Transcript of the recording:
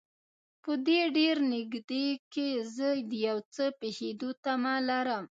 په دې ډېر نږدې کې زه د یو څه پېښېدو تمه لرم.